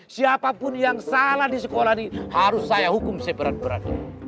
siapapun yang salah di sekolah ini harus saya hukum seberat berat